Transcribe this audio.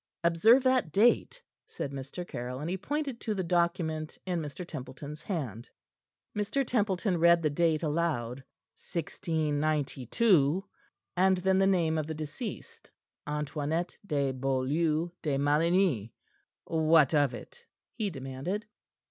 Observe that date," said Mr. Caryll, and he pointed to the document in Mr. Templeton's hand. Mr. Templeton read the date aloud "1692" and then the name of the deceased "Antoinette de Beaulieu de Maligny. What of it?" he demanded.